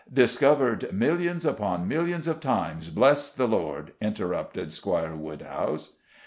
"Discovered millions upon millions of times, bless the Lord," interrupted Squire Woodhouse.